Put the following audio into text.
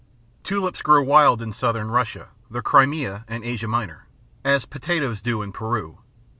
Tulips grow wild in Southern Russia, the Crimea and Asia Minor, as potatoes do in Peru.